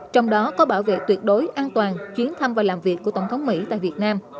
trong đó có bảo vệ tuyệt đối an toàn chuyến thăm và làm việc của tổng thống mỹ tại việt nam